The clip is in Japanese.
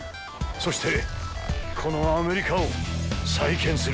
そしてこのアメリカを再建する！